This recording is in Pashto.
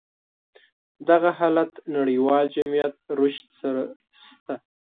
دغه حالت نړيوال جميعت رشد سره شته.